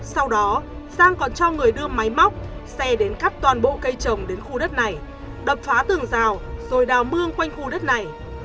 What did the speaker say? sau đó sang còn cho người đưa máy móc xe đến cắt toàn bộ cây trồng đến khu đất này đập phá tường rào rồi đào mương quanh khu đất này